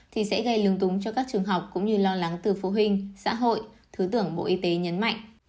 thì sẽ gây lung túng cho các trường học cũng như lo lắng từ phụ huynh xã hội thứ trưởng bộ y tế nhấn mạnh